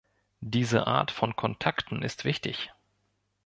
Diese Art von Kontakten ist wichtig.